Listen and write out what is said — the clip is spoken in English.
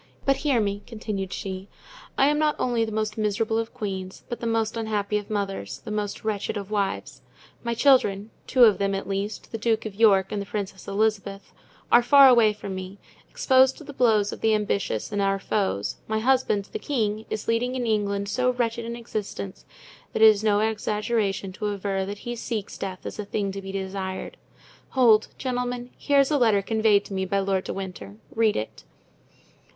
But hear me," continued she. "I am not only the most miserable of queens, but the most unhappy of mothers, the most wretched of wives. My children, two of them, at least, the Duke of York and the Princess Elizabeth, are far away from me, exposed to the blows of the ambitious and our foes; my husband, the king, is leading in England so wretched an existence that it is no exaggeration to aver that he seeks death as a thing to be desired. Hold! gentlemen, here is the letter conveyed to me by Lord de Winter. Read it."